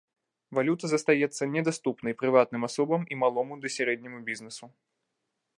Валюта застаецца недаступнай прыватным асобам і малому ды сярэдняму бізнэсу.